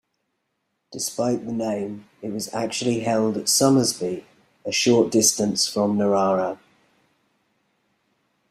Despite the name, it was actually held at Somersby, a short distance from Narara.